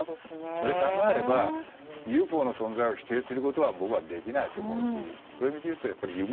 それを考えればＵＦＯの存在を否定することは僕はできないと思うしそういう意味では夢、